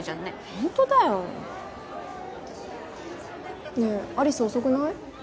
ホントだよねえ有栖遅くない？